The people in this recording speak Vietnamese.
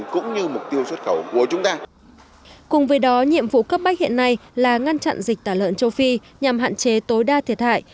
cùng với đó nhiệm vụ cấp bách hiện nay là ngăn chặn dịch tả lợn châu phi nhằm hạn chế tối đa thiệt hại